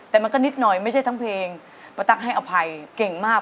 แต่มันก็นิดหน่อยไม่ใช่ทั้งเพลงป้าตั๊กให้อภัยเก่งมาก